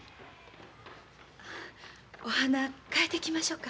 お花替えてきましょか。